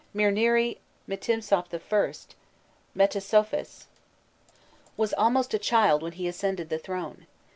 Mirnirî Mihtimsaûf I. (Metesouphis) was almost a child when he ascended the throne.